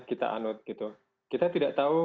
kita anut gitu kita tidak tahu